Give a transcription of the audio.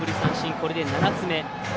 これで７つ目。